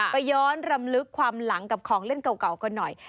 ไปย้อนรำลึกความหลังกับของเล่นเก่ากันหน่อย